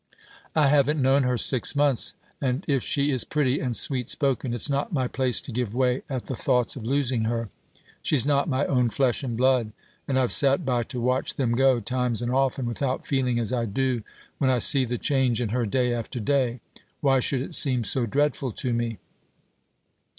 I haven't known her six months; and if she is pretty and sweet spoken, it's not my place to give way at the thoughts of losing her. She's not my own flesh and blood; and I've sat by to watch them go, times and often, without feeling as I do when I see the change in her day after day. Why should it seem so dreadful to me?"